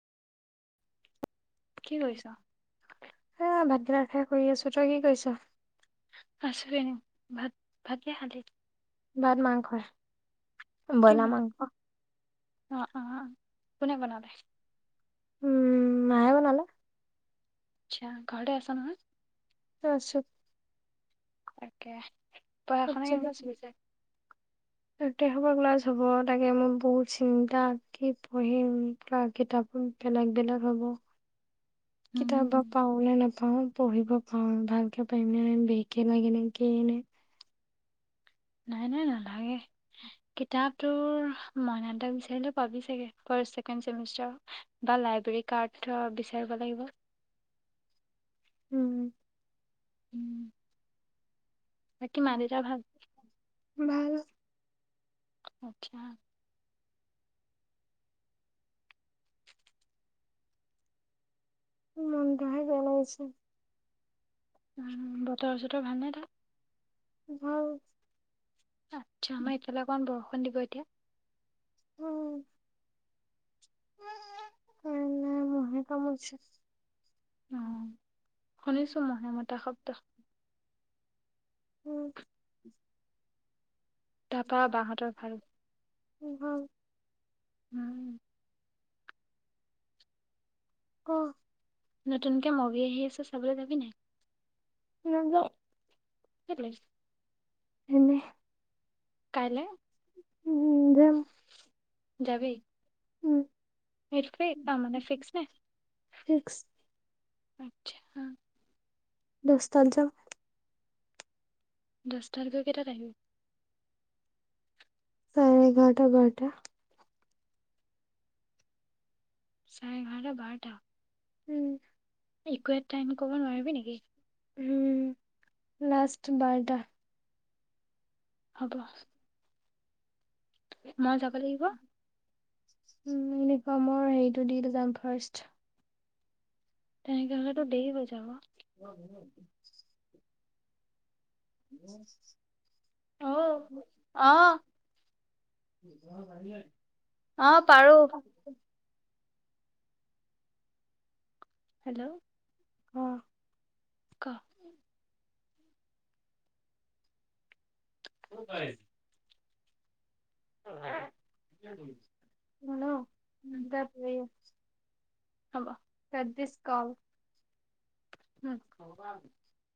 কি কৰিছ? এয়া ভাত কেইটা খাই শুই আছো। তই কি কৰিছ? আছো এনে। ভাত-ভাত কিহে খালি? ভাত মাংস হে, বইলাৰ মাংস। অ', অ', কোনে বনালে? উম, মায়ে বনালে। আচ্ছা, ঘৰতে আছা নহয়? আছোঁ। তাকে, পঢ়া-শুনা কেনেকা চলিছে? এক তাৰিখৰ পৰা ক্লাছ হ'ব, তাকে মোৰ বহুত চিন্তা কি পঢ়িম কাৰ কিতাপ বেলেগ বেলেগ হব। কিতাপ বা পাওঁ নে নেপ পাওঁ, পঢ়িব পাওঁ। ভালকে পাৰিম নে নাই বেকে লাগে নে কি নে। নাই নাই নালাগে। কিতাপ তোৰ মইনাদাক বিচাৰিলে পাবি চাগে, ফাৰ্ষ্ট ছেকেণ্ড চেমিষ্টাৰৰ। বা লাইব্ৰেৰী কাৰ্ড বিচাৰিব লাগিব। উম। উম। বাকী মা দেউতা‌ ভাল। ভাল। আচ্ছা উম, [unintelligible] উম, বতৰ-চতৰ ভাল নে তাত? ভাল। আচ্ছা আমাৰ এইফালে অকমান বৰষুণ দিব এতিয়া। লাইন নাই মহে কামুৰিছে। অ শুনিছোঁ মহে মতা শব্দ উম তাৰপা বাহঁতৰ ভাল। উ ভাল। উম অ নতুনকে মভি আহি আছে চাবলৈ যাবি নাই? নাযায় এনেই উম যাম উম এইটোৱেই তাৰমানে ফিক্স নাই আচ্ছা। দছটা ন দহ তাত গৈ কেইটাত আহিবি? চাৰে এঘাৰটা বাৰতা। চাৰেএঘাৰটা বাৰটা। উম ইকুৱেট টাইম ক'ব নোৱাৰিবি নেকি? ওম লাষ্ট বাৰটা। হ'ব মই যাব লাগিব। উ এনেকুৱা মই হেৰিটো দি যাম ফাৰ্ষ্ট। তেনেকে হলেতো দেৰি হৈ যাব। উম উ [unintelligible] উম অ অহ অ [unintelligible] হেল্ল' আহ কহ। [unintelligible] হেল্ল দেহ শুই আছোঁ। তেদিছ কল উ